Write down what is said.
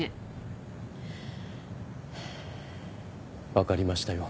分かりましたよ